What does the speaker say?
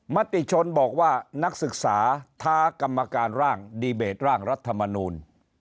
มติชนบอกว่านักศึกษาท้ากรรมการร่างดีเบตร่างรัฐมนูล